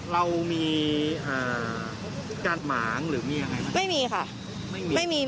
เรามีการหมางหรือมีอย่างไรบ้าง